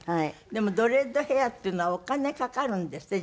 でもドレッドヘアっていうのはお金かかるんですって？